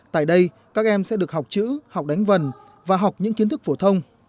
tại đây các em sẽ được học chữ học đánh vần và học những kiến thức phổ thông